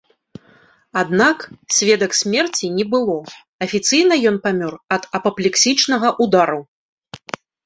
Аднак, сведак смерці не было, афіцыйна ён памёр ад апаплексічнага ўдару.